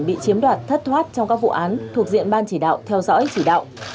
bị chiếm đoạt thất thoát trong các vụ án thuộc diện ban chỉ đạo theo dõi chỉ đạo